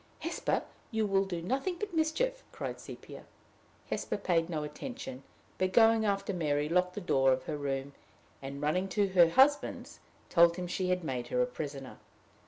"Hesper, you will do nothing but mischief," cried Sepia. Hesper paid no attention, but, going after Mary, locked the door of her room, and, running to her husband's, told him she had made her a prisoner.